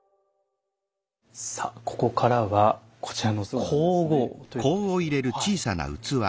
さあここからはこちらの香合ということですけどもはい。